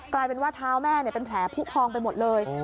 กลายเป็นว่าเท้าแม่เป็นแผลผู้พองไปหมดเลย